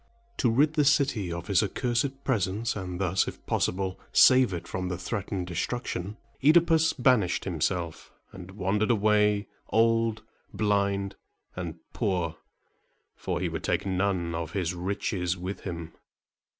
To rid the city of his accursed presence, and thus, if possible, save it from the threatened destruction, OEdipus banished himself, and wandered away, old, blind, and poor, for he would take none of his riches with him.